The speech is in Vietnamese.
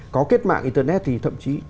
có kết mạng internet thì thậm chí